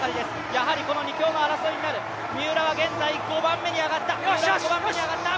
やはりこの２強の争いになる、三浦は現在５番目に上がった！